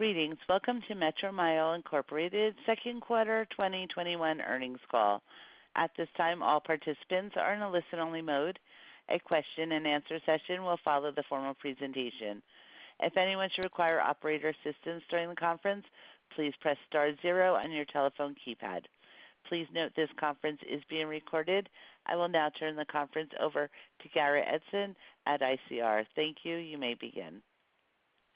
Greetings. Welcome to Metromile Incorporated's Second Quarter 2021 Earnings Call. At this time, all participants are in a listen-only mode. A question and answer session will follow the formal presentation. If anyone should require operator assistance during the conference, please press star zero on your telephone keypad. Please note this conference is being recorded. I will now turn the conference over to Garrett Edson at ICR. Thank you. You may begin.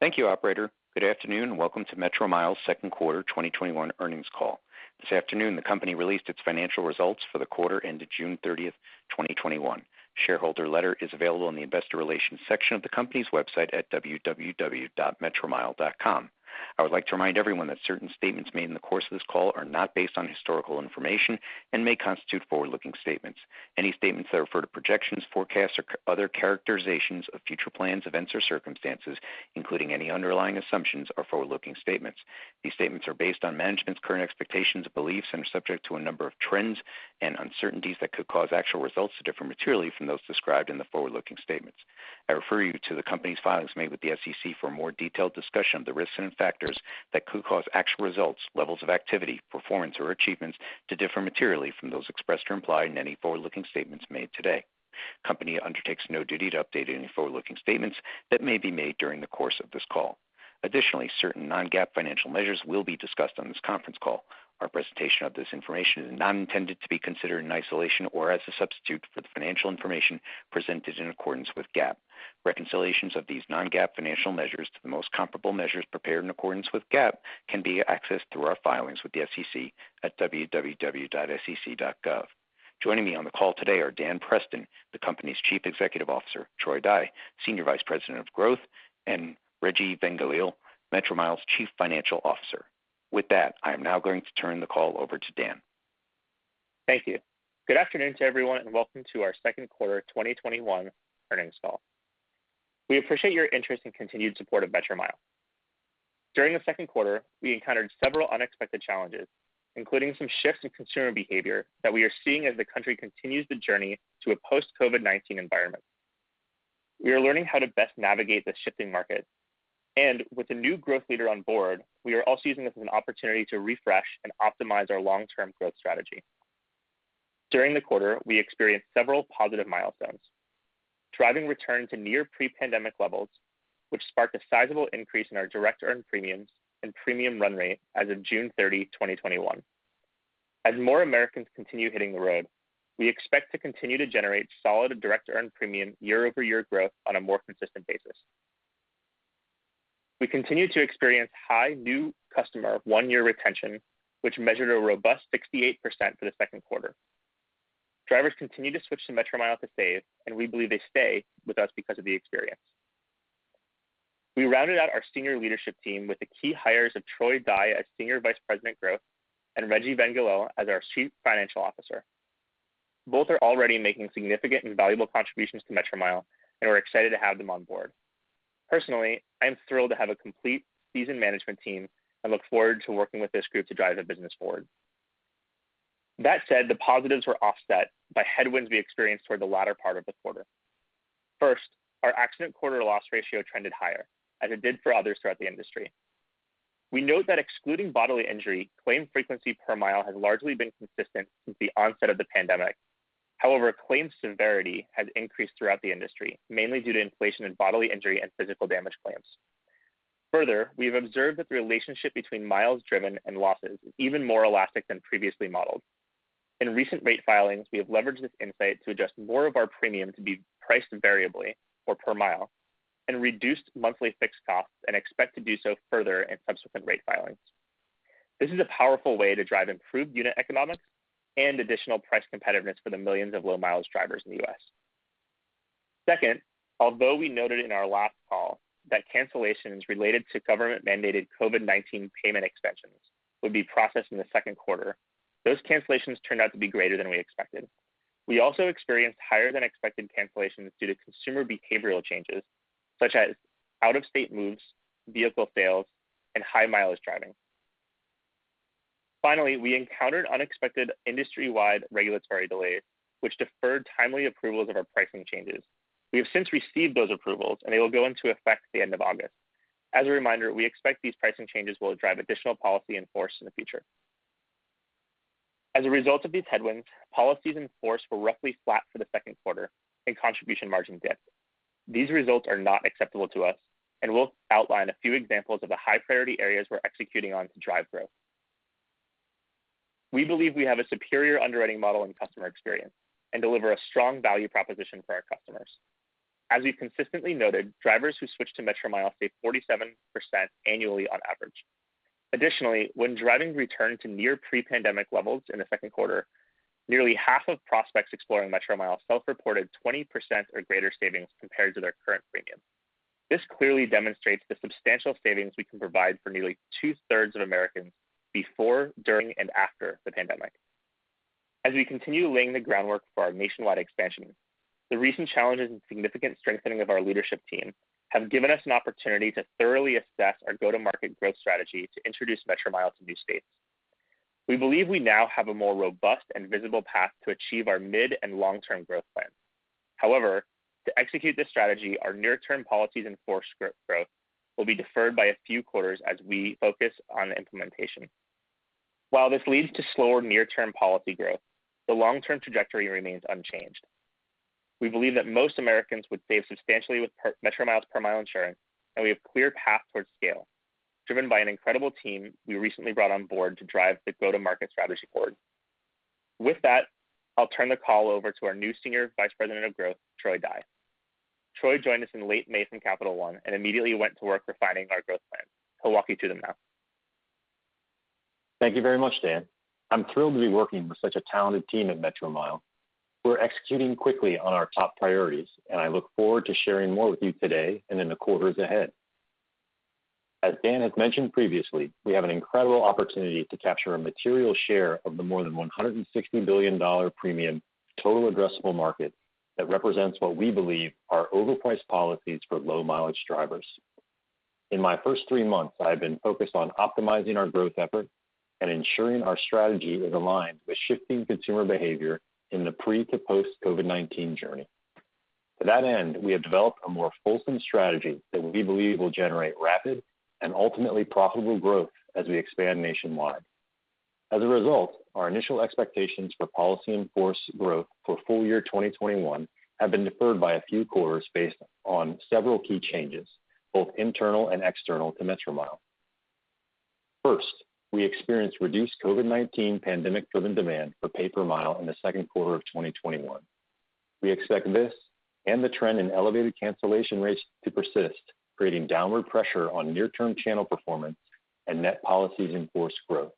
Thank you, operator. Good afternoon. Welcome to Metromile's second quarter 2021 earnings call. This afternoon, the company released its financial results for the quarter ended June 30th, 2021. Shareholder letter is available in the investor relations section of the company's website at www.metromile.com. I would like to remind everyone that certain statements made in the course of this call are not based on historical information and may constitute forward-looking statements. Any statements that refer to projections, forecasts, or other characterizations of future plans, events, or circumstances, including any underlying assumptions, are forward-looking statements. These statements are based on management's current expectations, beliefs, and are subject to a number of trends and uncertainties that could cause actual results to differ materially from those described in the forward-looking statements. I refer you to the company's filings made with the SEC for a more detailed discussion of the risks and factors that could cause actual results, levels of activity, performance, or achievements to differ materially from those expressed or implied in any forward-looking statements made today. The Company undertakes no duty to update any forward-looking statements that may be made during the course of this call. Additionally, certain non-GAAP financial measures will be discussed on this conference call. Our presentation of this information is not intended to be considered in isolation or as a substitute for the financial information presented in accordance with GAAP. Reconciliations of these non-GAAP financial measures to the most comparable measures prepared in accordance with GAAP can be accessed through our filings with the SEC at www.sec.gov. Joining me on the call today are Dan Preston, the company's Chief Executive Officer, Troy Dye, Senior Vice President of Growth, and Regi Vengalil, Metromile's Chief Financial Officer. With that, I am now going to turn the call over to Dan. Thank you. Good afternoon to everyone, and welcome to our second quarter 2021 earnings call. We appreciate your interest and continued support of Metromile. During the second quarter, we encountered several unexpected challenges, including some shifts in consumer behavior that we are seeing as the country continues the journey to a post-COVID-19 environment. We are learning how to best navigate the shifting market, and with a new growth leader on board, we are also using this as an opportunity to refresh and optimize our long-term growth strategy. During the quarter, we experienced several positive milestones, driving return to near pre-pandemic levels, which sparked a sizable increase in our direct earned premiums and premium run-rate as of June 30, 2021. As more Americans continue hitting the road, we expect to continue to generate solid direct earned premium year-over-year growth on a more consistent basis. We continue to experience high new customer one-year retention, which measured a robust 68% for the second quarter. Drivers continue to switch to Metromile to save, and we believe they stay with us because of the experience. We rounded out our senior leadership team with the key hires of Troy Dye as Senior Vice President, Growth, and Regi Vengalil as our Chief Financial Officer. Both are already making significant and valuable contributions to Metromile, and we're excited to have them on board. Personally, I am thrilled to have a complete seasoned management team and look forward to working with this group to drive the business forward. That said, the positives were offset by headwinds we experienced toward the latter part of the quarter. First, our accident quarter loss ratio trended higher, as it did for others throughout the industry. We note that excluding bodily injury, claim frequency per mile has largely been consistent since the onset of the pandemic. However, claim severity has increased throughout the industry, mainly due to inflation in bodily injury and physical damage claims. Further, we have observed that the relationship between miles driven and losses is even more elastic than previously modeled. In recent rate filings, we have leveraged this insight to adjust more of our premium to be priced variably or per mile and reduced monthly fixed costs and expect to do so further in subsequent rate filings. This is a powerful way to drive improved unit economics and additional price competitiveness for the millions of low-mileage drivers in the U.S. Although we noted in our last call that cancellations related to government-mandated COVID-19 payment extensions would be processed in the second quarter, those cancellations turned out to be greater than we expected. We also experienced higher than expected cancellations due to consumer behavioral changes, such as out-of-state moves, vehicle fails, and high-mileage driving. We encountered unexpected industry-wide regulatory delays, which deferred timely approvals of our pricing changes. We have since received those approvals, and they will go into effect the end of August. As a reminder, we expect these pricing changes will drive additional policy in force in the future. As a result of these headwinds, policies in force were roughly flat for the second quarter and contribution margin dipped. These results are not acceptable to us, and we'll outline a few examples of the high priority areas we're executing on to drive growth. We believe we have a superior underwriting model and customer experience and deliver a strong value proposition for our customers. As we've consistently noted, drivers who switch to Metromile save 47% annually on average. Additionally, when driving returned to near pre-pandemic levels in the second quarter, nearly half of prospects exploring Metromile self-reported 20% or greater savings compared to their current premium. This clearly demonstrates the substantial savings we can provide for nearly two-thirds of Americans before, during, and after the pandemic. As we continue laying the groundwork for our nationwide expansion, the recent challenges and significant strengthening of our leadership team have given us an opportunity to thoroughly assess our go-to-market growth strategy to introduce Metromile to new states. We believe we now have a more robust and visible path to achieve our mid and long-term growth plans. To execute this strategy, our near-term policies in force growth will be deferred by a few quarters as we focus on the implementation. While this leads to slower near-term policy growth, the long-term trajectory remains unchanged. We believe that most Americans would save substantially with Metromile Per-Mile Insurance, and we have a clear path towards scale. Driven by an incredible team we recently brought on board to drive the go-to-market strategy forward. I'll turn the call over to our new Senior Vice President, Growth, Troy Dye. Troy joined us in late May from Capital One and immediately went to work refining our growth plan. He'll walk you through the math. Thank you very much, Dan. I'm thrilled to be working with such a talented team at Metromile. We're executing quickly on our top priorities, and I look forward to sharing more with you today and in the quarters ahead. As Dan has mentioned previously, we have an incredible opportunity to capture a material share of the more than $160 billion premium total addressable market that represents what we believe are overpriced policies for low mileage drivers. In my first 3 months, I've been focused on optimizing our growth effort and ensuring our strategy is aligned with shifting consumer behavior in the pre to post COVID-19 journey. To that end, we have developed a more fulsome strategy that we believe will generate rapid and ultimately profitable growth as we expand nationwide. As a result, our initial expectations for policy in force growth for full year 2021 have been deferred by a few quarters based on several key changes, both internal and external, to Metromile. First, we experienced reduced COVID-19 pandemic-driven demand for pay per mile in the second quarter of 2021. We expect this and the trend in elevated cancellation rates to persist, creating downward pressure on near-term channel performance and net policies in force growth.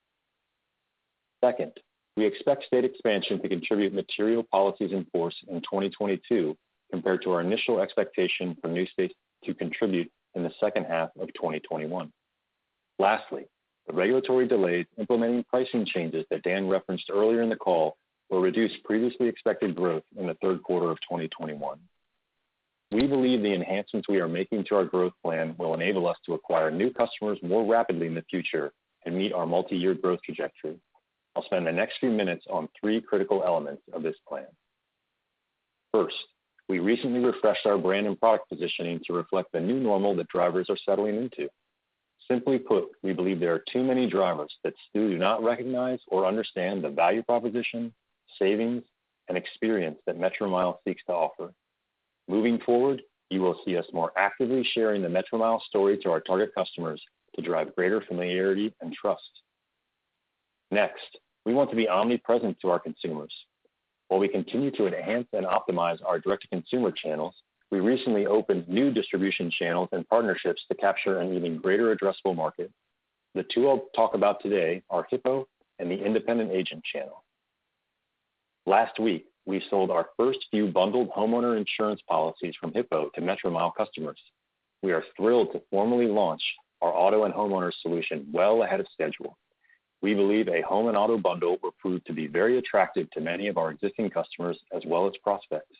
Second, we expect state expansion to contribute material policies in force in 2022 compared to our initial expectation for new states to contribute in the second half of 2021. Lastly, the regulatory delays implementing pricing changes that Dan referenced earlier in the call will reduce previously expected growth in the third quarter of 2021. We believe the enhancements we are making to our growth plan will enable us to acquire new customers more rapidly in the future and meet our multi-year growth trajectory. I'll spend the next three minutes on three critical elements of this plan. First, we recently refreshed our brand and product positioning to reflect the new normal that drivers are settling into. Simply put, we believe there are too many drivers that still do not recognize or understand the value proposition, savings, and experience that Metromile seeks to offer. Moving forward, you will see us more actively sharing the Metromile story to our target customers to drive greater familiarity and trust. Next, we want to be omnipresent to our consumers. While we continue to enhance and optimize our direct-to-consumer channels, we recently opened new distribution channels and partnerships to capture an even greater addressable market. The two I'll talk about today are Hippo and the independent agent channel. Last week, we sold our first few bundled homeowner insurance policies from Hippo to Metromile customers. We are thrilled to formally launch our auto and homeowners solution well ahead of schedule. We believe a home and auto bundle will prove to be very attractive to many of our existing customers as well as prospects.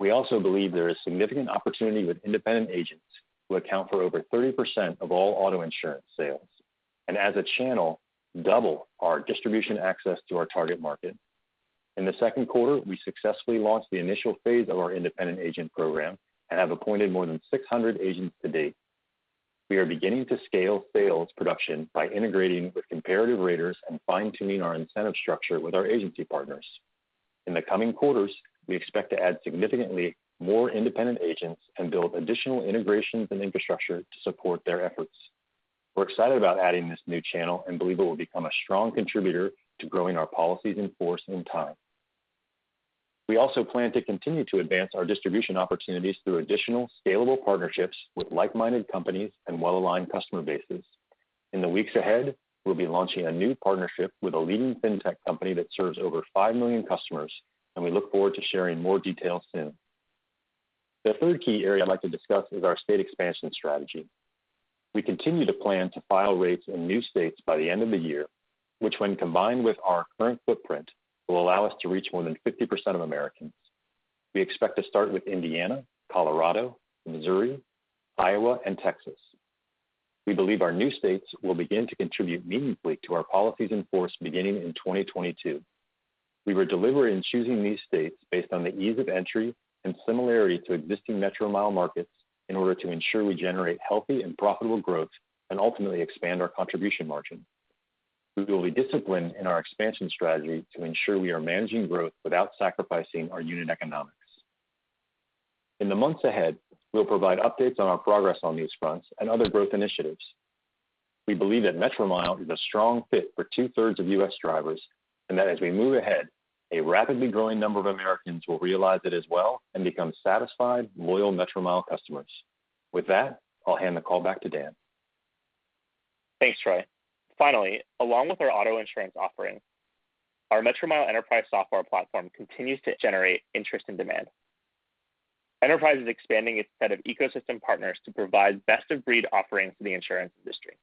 We also believe there is significant opportunity with independent agents who account for over 30% of all auto insurance sales, and as a channel, double our distribution access to our target market. In the second quarter, we successfully launched the initial phase of our independent agent program and have appointed more than 600 agents to-date. We are beginning to scale sales production by integrating with comparative raters and fine-tuning our incentive structure with our agency partners. In the coming quarters, we expect to add significantly more independent agents and build additional integrations and infrastructure to support their efforts. We're excited about adding this new channel and believe it will become a strong contributor to growing our policies in force in time. We also plan to continue to advance our distribution opportunities through additional scalable partnerships with like-minded companies and well-aligned customer bases. In the weeks ahead, we'll be launching a new partnership with a leading fintech company that serves over 5 million customers. We look forward to sharing more details soon. The third key area I'd like to discuss is our state expansion strategy. We continue to plan to file rates in new states by the end of the year, which when combined with our current footprint, will allow us to reach more than 50% of Americans. We expect to start with Indiana, Colorado, Missouri, Iowa, and Texas. We believe our new states will begin to contribute meaningfully to our policies in force beginning in 2022. We were deliberate in choosing these states based on the ease of entry and similarity to existing Metromile markets in order to ensure we generate healthy and profitable growth and ultimately expand our contribution margin. We will be disciplined in our expansion strategy to ensure we are managing growth without sacrificing our unit economics. In the months ahead, we'll provide updates on our progress on these fronts and other growth initiatives. We believe that Metromile is a strong fit for two-thirds of U.S. drivers, and that as we move ahead, a rapidly growing number of Americans will realize it as well and become satisfied, loyal Metromile customers. With that, I'll hand the call back to Dan. Thanks, Troy. Along with our auto insurance offering, our Metromile Enterprise software platform continues to generate interest and demand. Enterprise is expanding its set of ecosystem partners to provide best of breed offerings to the insurance industry.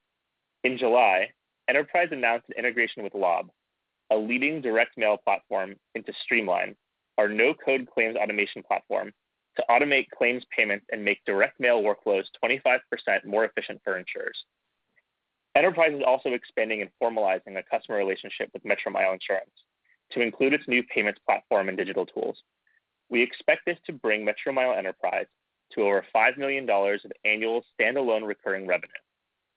In July, Enterprise announced an integration with Lob leading direct mail platform into Streamline, our no-code claims automation platform, to automate claims payments and make direct mail workflows 25% more efficient for insurers. Enterprise is also expanding and formalizing a customer relationship with Metromile Insurance to include its new payments platform and digital tools. We expect this to bring Metromile Enterprise to over $5 million of annual standalone recurring revenue.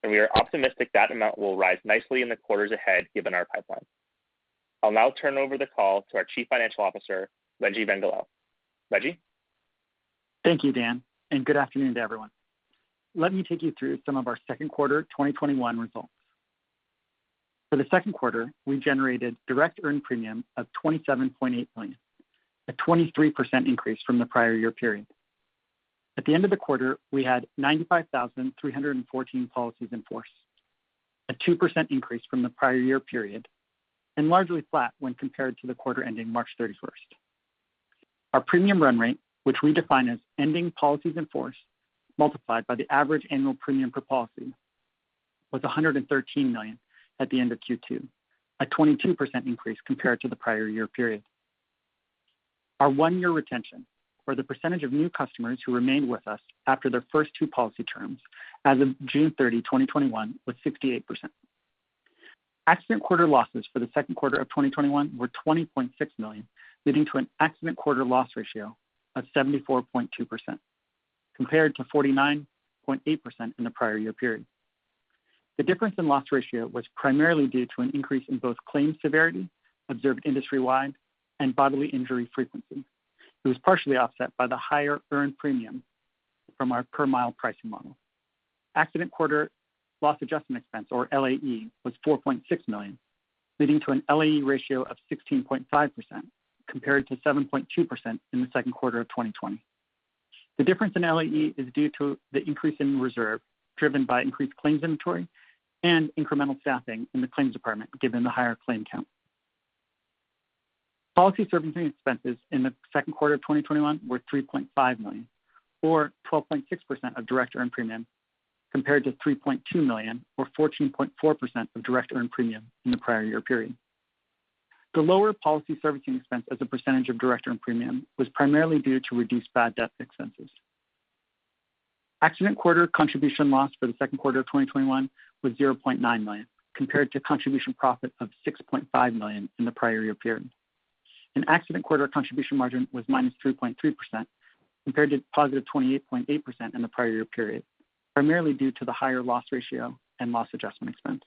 We are optimistic that amount will rise nicely in the quarters ahead given our pipeline. I'll now turn over the call to our Chief Financial Officer, Regi Vengalil. Regi? Thank you, Dan, and good afternoon to everyone. Let me take you through some of our second quarter 2021 results. For the second quarter, we generated direct earned premium of $27.8 million, a 23% increase from the prior year period. At the end of the quarter, we had 95,314 policies in force, a 2% increase from the prior year period, and largely flat when compared to the quarter ending March 31st. Our Premium Run-Rate, which we define as ending policies in force multiplied by the average annual premium per policy, was $113 million at the end of Q2, a 22% increase compared to the prior year period. Our one-year retention, or the percentage of new customers who remained with us after their first two policy terms, as of June 30, 2021, was 68%. Accident Quarter losses for the second quarter of 2021 were $20.6 million, leading to an Accident Quarter Loss Ratio of 74.2%, compared to 49.8% in the prior year period. The difference in Loss Ratio was primarily due to an increase in both claims severity observed industry-wide and bodily injury frequency. It was partially offset by the higher earned premium from our per mile pricing model. Accident Quarter Loss Adjustment Expense, or LAE, was $4.6 million, leading to an LAE Ratio of 16.5%, compared to 7.2% in the second quarter of 2020. The difference in LAE is due to the increase in reserve driven by increased claims inventory and incremental staffing in the claims department given the higher claim count. Policy servicing expenses in the second quarter of 2021 were $3.5 million, or 12.6% of direct earned premium, compared to $3.2 million, or 14.4% of direct earned premium in the prior year period. The lower policy servicing expense as a percentage of direct earned premium was primarily due to reduced bad debt expenses. Accident Quarter contribution loss for the second quarter of 2021 was $0.9 million, compared to contribution profit of $6.5 million in the prior year period. Accident Quarter contribution margin was -3.3%, compared to positive 28.8% in the prior year period, primarily due to the higher loss ratio and loss adjustment expense.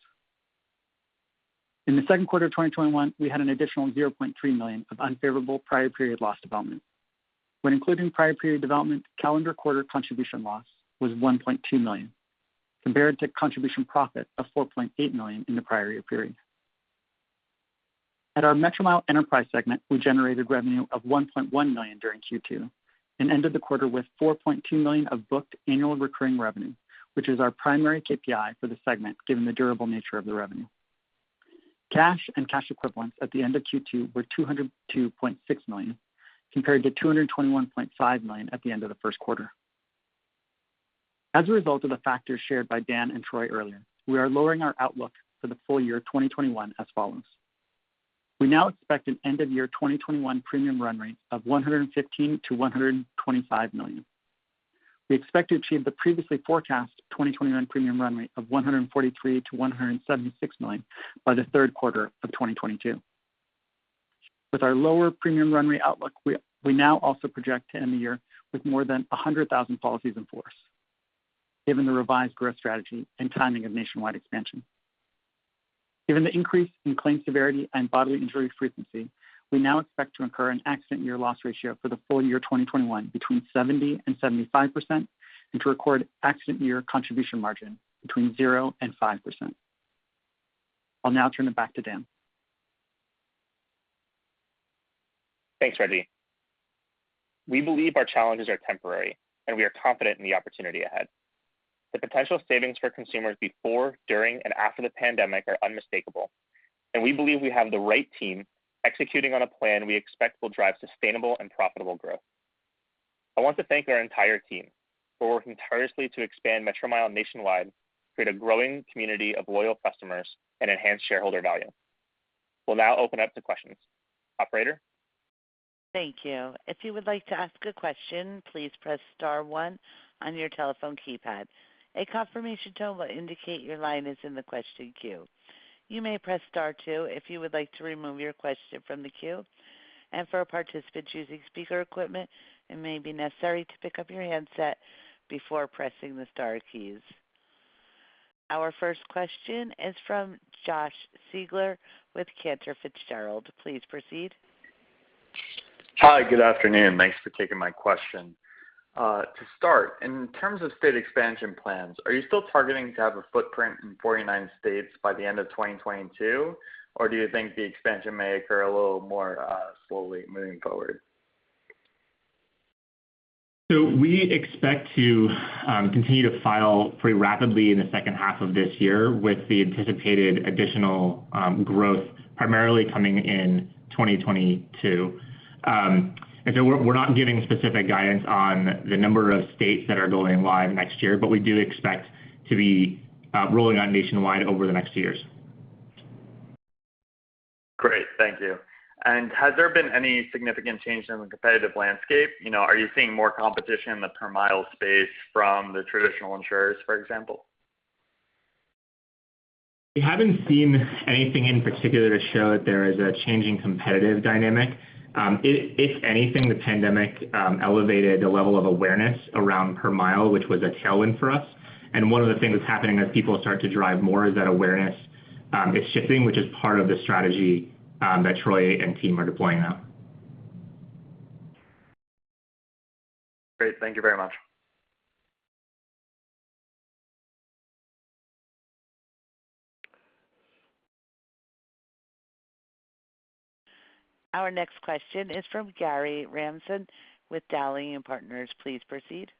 In the second quarter of 2021, we had an additional $0.3 million of unfavorable prior period loss development. When including prior period development, calendar quarter contribution loss was $1.2 million, compared to contribution profit of $4.8 million in the prior year period. At our Metromile Enterprise segment, we generated revenue of $1.1 million during Q2 and ended the quarter with $4.2 million of booked annual recurring revenue, which is our primary KPI for the segment given the durable nature of the revenue. Cash and cash equivalents at the end of Q2 were $202.6 million, compared to $221.5 million at the end of the first quarter. As a result of the factors shared by Dan and Troy earlier, we are lowering our outlook for the full year 2021 as follows. We now expect an end of year 2021 Premium Run-Rate of $115 million-$125 million. We expect to achieve the previously forecast 2021 Premium Run-Rate of $143 million-$176 million by the third quarter of 2022. With our lower Premium Run-Rate outlook, we now also project to end the year with more than 100,000 policies in force given the revised growth strategy and timing of nationwide expansion. Given the increase in claim severity and bodily injury frequency, we now expect to incur an Accident Year Loss Ratio for the full year 2021 between 70% and 75%, and to record Accident Year contribution margin between 0% and 5%. I'll now turn it back to Dan. Thanks, Regi. We believe our challenges are temporary, and we are confident in the opportunity ahead. The potential savings for consumers before, during, and after the pandemic are unmistakable, and we believe we have the right team executing on a plan we expect will drive sustainable and profitable growth. I want to thank our entire team for working tirelessly to expand Metromile nationwide, create a growing community of loyal customers, and enhance shareholder value. We'll now open up to questions. Operator? Our first question is from Josh Siegler with Cantor Fitzgerald. Please proceed. Hi. Good afternoon. Thanks for taking my question. To start, in terms of state expansion plans, are you still targeting to have a footprint in 49 states by the end of 2022, or do you think the expansion may occur a little more slowly moving forward? We expect to continue to file pretty rapidly in the second half of this year with the anticipated additional growth primarily coming in 2022. We're not giving specific guidance on the number of states that are going live next year, but we do expect to be rolling out nationwide over the next two years. Has there been any significant change in the competitive landscape? Are you seeing more competition in the per mile space from the traditional insurers, for example? We haven't seen anything in particular to show that there is a changing competitive dynamic. If anything, the pandemic elevated the level of awareness around per mile, which was a tailwind for us. One of the things that's happening as people start to drive more is that awareness is shifting, which is part of the strategy that Troy and team are deploying now. Great. Thank you very much. Our next question is from Gary Ransom with Dowling & Partners. Please proceed.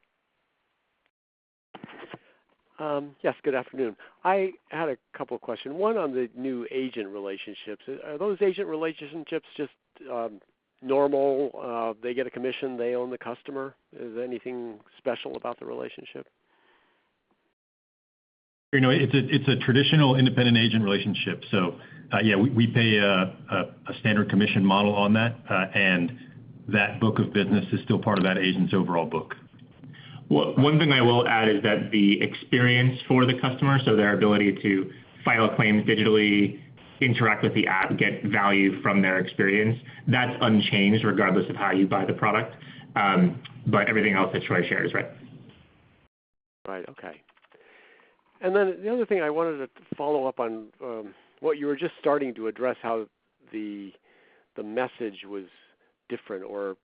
Yes, good afternoon. I had a couple questions, one on the new agent relationships. Are those agent relationships just normal? They get a commission, they own the customer. Is there anything special about the relationship? It's a traditional independent agent relationship, so yeah, we pay a standard commission model on that, and that book of business is still part of that agent's overall book. One thing I will add is that the experience for the customer, so their ability to file claims digitally, interact with the app, get value from their experience, that's unchanged regardless of how you buy the product. Everything else that Troy shared is right. Right. Okay. The other thing I wanted to follow up on what you were just starting to address, how the message was different or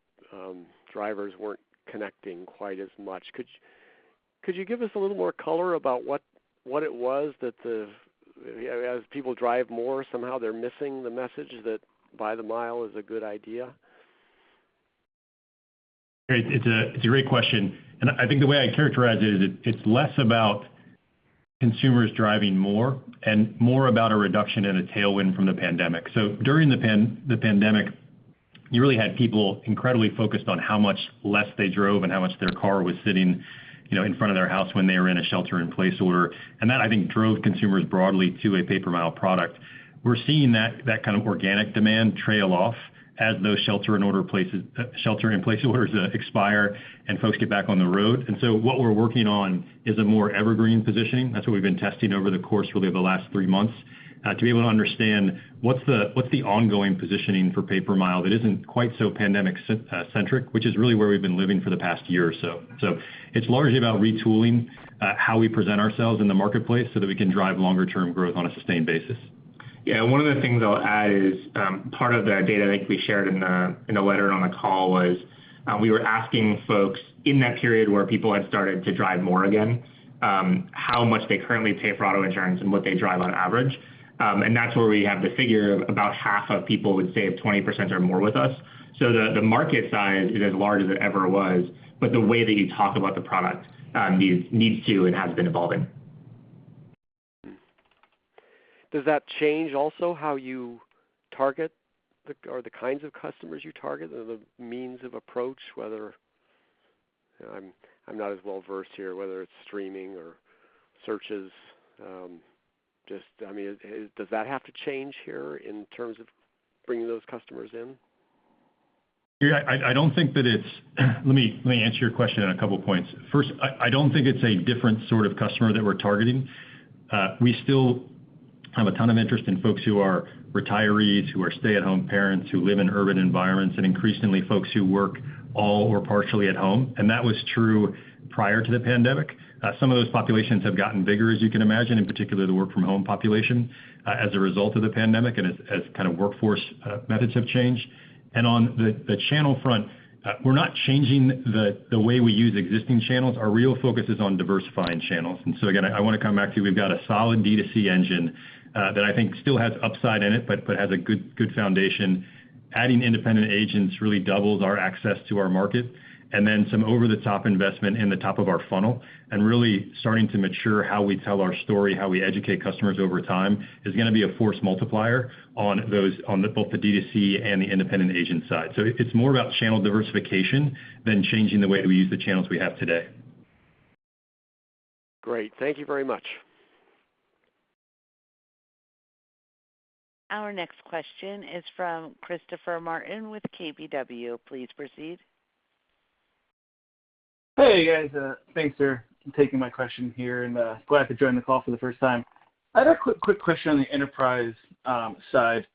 drivers weren't connecting quite as much. Could you give us a little more color about what it was that, as people drive more, somehow they're missing the message that by the mile is a good idea? It's a great question, I think the way I'd characterize it is it's less about consumers driving more and more about a reduction and a tailwind from the pandemic. During the pandemic, you really had people incredibly focused on how much less they drove and how much their car was sitting in front of their house when they were in a shelter-in-place order. That, I think, drove consumers broadly to a pay-per-mile product. We're seeing that kind of organic demand trail off as those shelter-in-place orders expire and folks get back on the road. What we're working on is a more evergreen positioning. That's what we've been testing over the course, really of the last three months, to be able to understand what's the ongoing positioning for pay per mile that isn't quite so pandemic-centric, which is really where we've been living for the past year or so. It's largely about retooling how we present ourselves in the marketplace so that we can drive longer term growth on a sustained basis. Yeah, one of the things I'll add is part of the data I think we shared in the letter and on the call was we were asking folks in that period where people had started to drive more again how much they currently pay for auto insurance and what they drive on average. That's where we have the figure of about half of people would save 20% or more with us. The market size is as large as it ever was, but the way that you talk about the product needs to and has been evolving. Does that change also how you target or the kinds of customers you target or the means of approach, whether -- I'm not as well-versed here, whether it's streaming or searches? Does that have to change here in terms of bringing those customers in? Let me answer your question in a couple points. First, I don't think it's a different sort of customer that we're targeting. We still have a ton of interest in folks who are retirees, who are stay-at-home parents, who live in urban environments, and increasingly folks who work all or partially at home. That was true prior to the pandemic. Some of those populations have gotten bigger, as you can imagine, in particular the work from home population as a result of the pandemic and as kind of workforce methods have changed. On the channel front, we're not changing the way we use existing channels. Our real focus is on diversifying channels. Again, I want to come back to we've got a solid D2C engine that I think still has upside in it, but has a good foundation. Adding independent agents really doubles our access to our market. Some over the top investment in the top of our funnel and really starting to mature how we tell our story, how we educate customers over time is going to be a force multiplier on both the D2C and the independent agent side. It's more about channel diversification than changing the way that we use the channels we have today. Great. Thank you very much. Our next question is from Christopher Martin with KBW. Please proceed. Hey, guys. Thanks for taking my question here, and glad to join the call for the first time. I had a quick question on the enterprise side.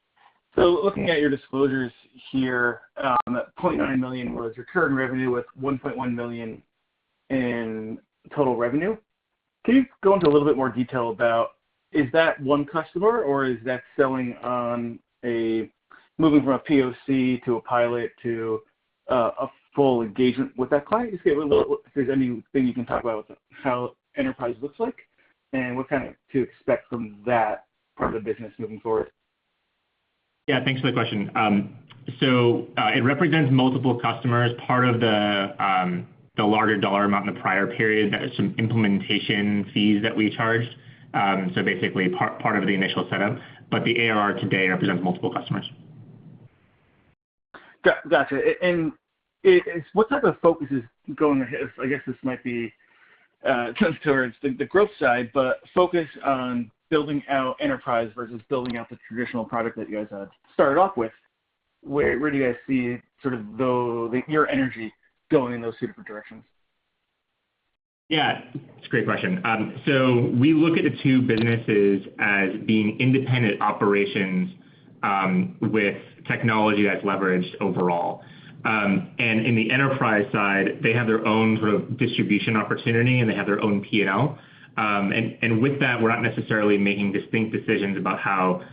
Looking at your disclosures here, $0.9 million was your current revenue with $1.1 million in total revenue. Can you go into a little bit more detail about is that 1 customer, or is that selling on a moving from a POC to a pilot to a full engagement with that client? Just give a little, if there's anything you can talk about with how enterprise looks like and what to expect from that part of the business moving forward. Yeah, thanks for the question. It represents multiple customers. Part of the larger dollar amount in the prior period, that is some implementation fees that we charged, so basically part of the initial setup. The ARR today represents multiple customers. Gotcha. What type of focus is going ahead? I guess this might be towards the growth side, but focus on building out Enterprise versus building out the traditional product that you guys had started off with. Where do you guys see your energy going in those two different directions? It's a great question. We look at the two businesses as being independent operations with technology that's leveraged overall. In the Metromile Enterprise side, they have their own distribution opportunity, and they have their own P&L. With that, we're not necessarily making distinct decisions about how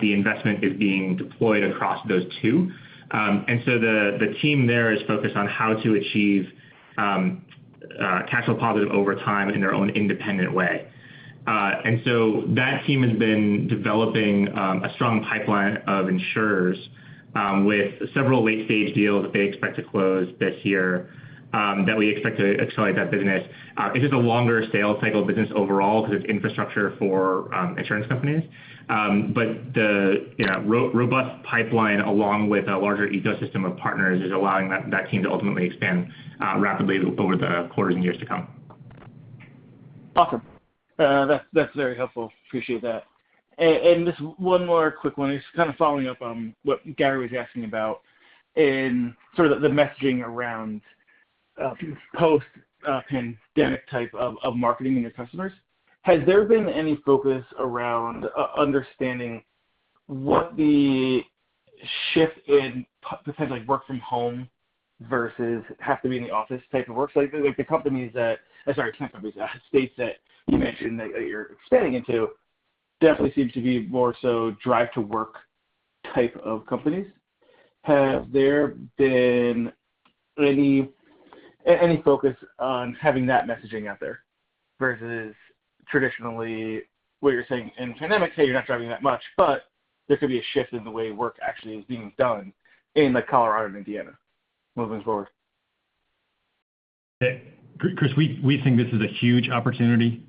the investment is being deployed across those two. The team there is focused on how to achieve cash flow positive over time in their own independent way. That team has been developing a strong pipeline of insurers, with several late-stage deals that they expect to close this year, that we expect to accelerate that business. It's just a longer sales cycle business overall because it's infrastructure for insurance companies. The robust pipeline, along with a larger ecosystem of partners, is allowing that team to ultimately expand rapidly over the quarters and years to come. Awesome. That's very helpful. Appreciate that. Just one more quick one. Just following up on what Gary was asking about in the messaging around post-pandemic type of marketing and your customers. Has there been any focus around understanding what the shift in potentially work from home versus have to be in the office type of work? The states that you mentioned that you're expanding into definitely seem to be more so drive-to-work type of companies. Has there been any focus on having that messaging out there versus traditionally what you're saying in pandemic, hey, you're not driving that much, but there could be a shift in the way work actually is being done in Colorado and Indiana moving forward. Chris, we think this is a huge opportunity.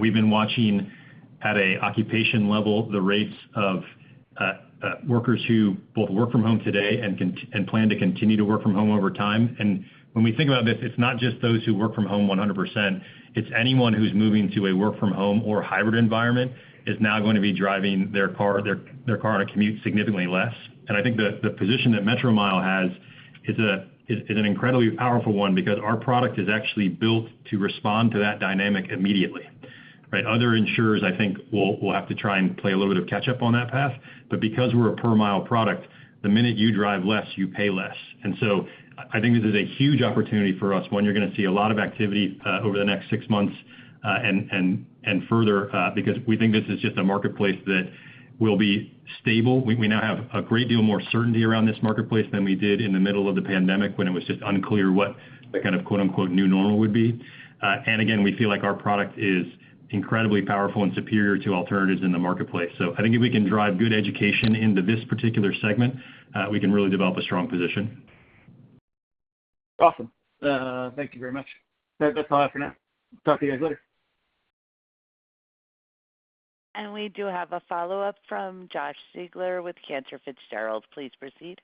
We've been watching at an occupation level the rates of workers who both work from home today and plan to continue to work from home over time. When we think about this, it's not just those who work from home 100%, it's anyone who's moving to a work from home or hybrid environment is now going to be driving their car to commute significantly less. I think the position that Metromile has is an incredibly powerful one because our product is actually built to respond to that dynamic immediately. Right. Other insurers, I think, will have to try and play a little bit of catch up on that path. Because we're a per mile product, the minute you drive less, you pay less. I think this is a huge opportunity for us. You're going to see a lot of activity over the next 6 months, and further because we think this is just a marketplace that will be stable. We now have a great deal more certainty around this marketplace than we did in the middle of the pandemic when it was just unclear what the kind of quote unquote new normal would be. Again, we feel like our product is incredibly powerful and superior to alternatives in the marketplace. I think if we can drive good education into this particular segment, we can really develop a strong position. Awesome. Thank you very much. That's all I have for now. Talk to you guys later. We do have a follow-up from Josh Siegler with Cantor Fitzgerald. Please proceed.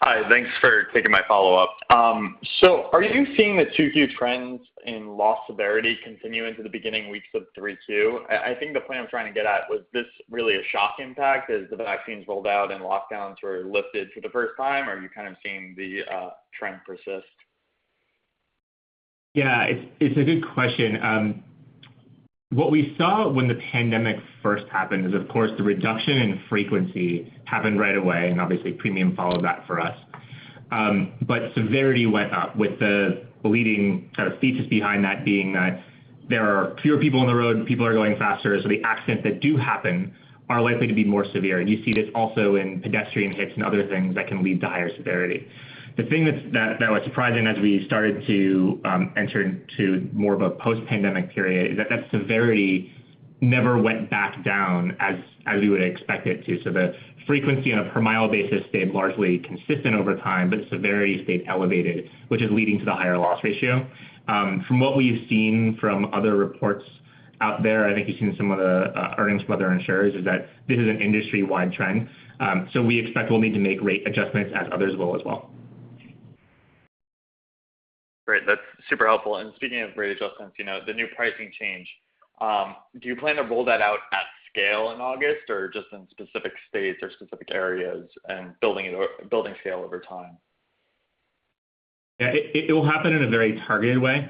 Hi. Thanks for taking my follow-up. Are you seeing the two huge trends in loss severity continue into the beginning weeks of Q3? I think the point I'm trying to get at, was this really a shock impact as the vaccines rolled out and lockdowns were lifted for the first time? Are you kind of seeing the trend persist? It's a good question. What we saw when the pandemic first happened is, of course, the reduction in frequency happened right away and obviously premium followed that for us. Severity went up with the leading features behind that being that there are fewer people on the road, people are going faster. The accidents that do happen are likely to be more severe. You see this also in pedestrian hits and other things that can lead to higher severity. The thing that was surprising as we started to enter into more of a post-pandemic period is that severity never went back down as we would expect it to. The frequency on a per mile basis stayed largely consistent over time, but severity stayed elevated, which is leading to the higher loss ratio. From what we've seen from other reports out there, I think you've seen some of the earnings from other insurers, is that this is an industry-wide trend. We expect we'll need to make rate adjustments as others will as well. Great. That's super helpful. Speaking of rate adjustments, the new pricing change, do you plan to roll that out at scale in August or just in specific states or specific areas and building scale over time? It will happen in a very targeted way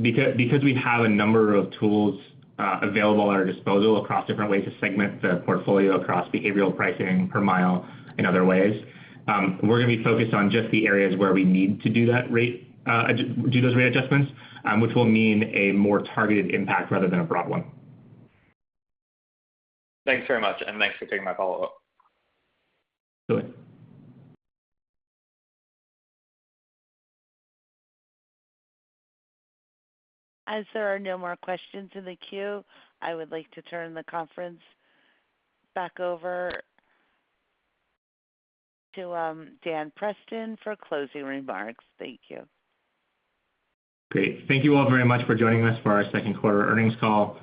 because we have a number of tools available at our disposal across different ways to segment the portfolio across behavioral pricing per mile and other ways. We're going to be focused on just the areas where we need to do those rate adjustments, which will mean a more targeted impact rather than a broad one. Thanks very much, and thanks for taking my follow-up. Absolutely. As there are no more questions in the queue, I would like to turn the conference back over to Dan Preston for closing remarks. Thank you. Great. Thank you all very much for joining us for our second quarter earnings call.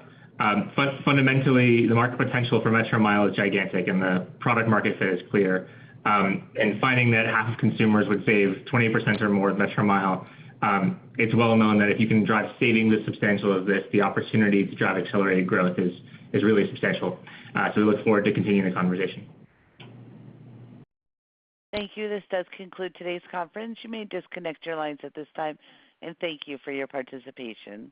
Fundamentally, the market potential for Metromile is gigantic, and the product market fit is clear. In finding that half of consumers would save 20% or more with Metromile, it's well known that if you can drive savings this substantial of this, the opportunity to drive accelerated growth is really substantial. We look forward to continuing the conversation. Thank you. This does conclude today's conference. You may disconnect your lines at this time. Thank you for your participation.